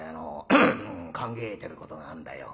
「考えてることがあんだよ」。